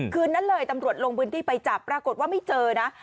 คืนนั้นเลยตำรวจลงพื้นที่ไปจับปรากฏว่าไม่เจอนะ